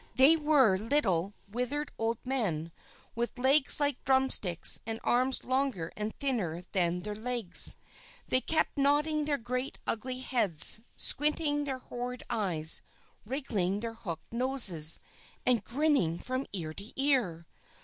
They were little, withered old men, with legs like drum sticks, and arms longer and thinner than their legs. They kept nodding their great ugly heads, squinting their horrid eyes, wriggling their hooked noses, and grinning from ear to ear.